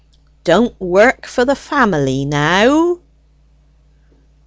"Don't work for the family no o o o ow!"